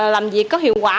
làm việc có hiệu quả